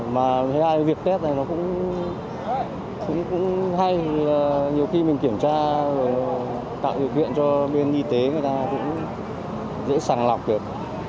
mà việc test này cũng hay nhiều khi mình kiểm tra tạo điều kiện cho bên y tế người ta cũng dễ sẵn lọc được